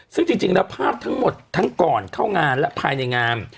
ซึ่งจริงแล้วภาพทั้งหมดทั้งก่อนเข้างานและภายในงาน